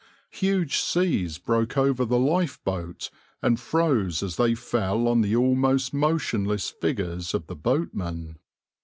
Huge seas broke over the lifeboat and froze as they fell on the almost motionless figures of the boatmen.